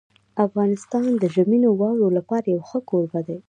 افغانستان د ژمنیو واورو لپاره یو ښه کوربه دی.